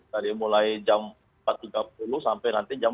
dari mulai jam empat tiga puluh sampai nanti jam dua puluh